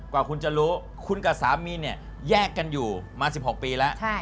กว่าคุณจะรู้คุณกับสามีเนี่ยแยกกันอยู่มา๑๖ปีแล้ว